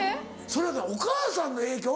それお母さんの影響？